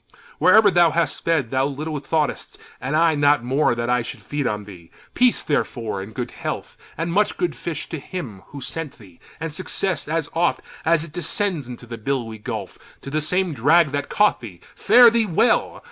Wherever thou hast fed, thou little thought'st, And I not more, that I should feed on thee. Peace, therefore, and good health, and much good fish, To him who sent thee! and success, as oft As it descends into the billowy gulf, To the same drag that caught thee! Fare thee well!